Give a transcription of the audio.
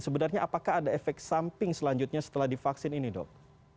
sebenarnya apakah ada efek samping selanjutnya setelah divaksin ini dok